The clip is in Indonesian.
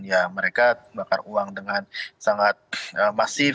ya mereka bakar uang dengan sangat masif